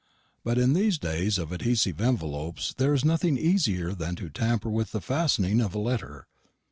But in these days of adhesive envelopes there is nothing easier than to tamper with the fastening of a letter.